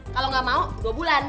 kalau nggak mau dua bulan